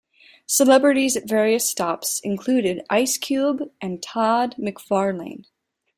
Celebrities at various stops included Ice Cube and Todd McFarlane.